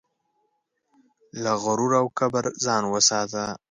له غرور او کبره ځان وساته.